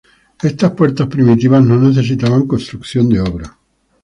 Estas puertas primitivas no necesitaban construcción de obra.